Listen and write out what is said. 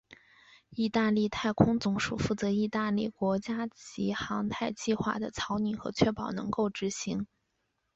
义大利太空总署负责义大利国家级航太计划的草拟和确保能够执行。